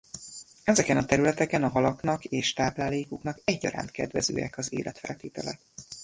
Ezeken a területeken a halaknak és táplálékuknak egyaránt kedvezőek az életfeltételek.